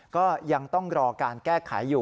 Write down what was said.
ก็ยังต้องรอการแก้ไขอยู่